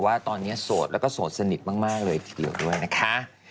ว่าตอนนี้โสดแล้วก็โสดสนิทมากเลยทีเดียวด้วยนะคะ